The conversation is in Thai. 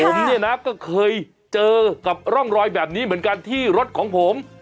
ผมเนี่ยนะก็เคยเจอกับร่องรอยแบบนี้เหมือนกันที่รถของผม